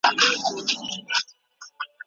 تاسو باید تل په مسواک باندې خپلې وورۍ مضبوطې کړئ.